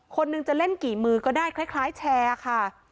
คนหนึ่งจะเล่นกี่มือก็ได้คล้ายแชร์ค่ะ